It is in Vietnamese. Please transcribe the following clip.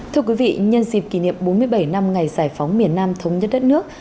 thưa quý vị nhân dịp kỷ niệm bốn mươi bảy năm ngày giải phóng miền nam thống nhất đất nước